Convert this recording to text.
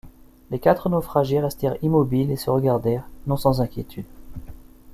Les quatre naufragés restèrent immobiles et se regardèrent, non sans inquiétude.